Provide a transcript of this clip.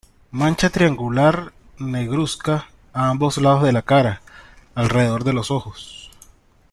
Mancha triangular negruzca a ambos lados de la cara, alrededor de los ojos.